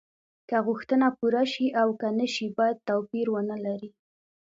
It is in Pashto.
که غوښتنه پوره شي او که نشي باید توپیر ونلري.